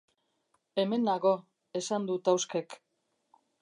Hemen nago, esan du Tauskek.